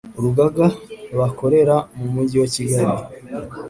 Urugaga bakorera mu Mujyi wa Kigali